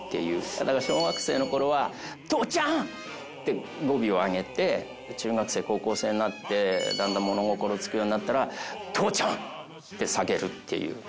だから小学生の頃は「父ちゃんっ！」って語尾を上げて中学生高校生になってだんだん物心つくようになったら「父ちゃん！」って下げるっていう。